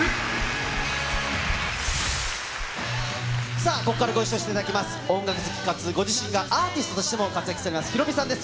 さあ、ここからご一緒していただきます、音楽好きかつ、ご自身がアーティストとしても活躍します、ヒロミさんです。